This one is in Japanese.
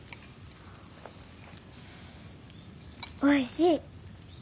おいしい。